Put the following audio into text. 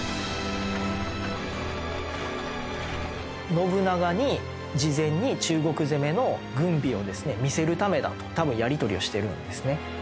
信長に事前に中国攻めの軍備をですね見せるためだと多分やり取りをしてるんですね。